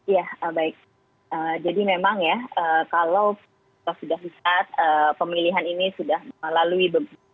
ya baik jadi memang ya kalau sudah sesuai pemilihan ini sudah melalui